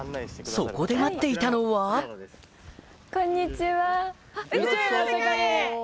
そこで待っていたのはこんにちは。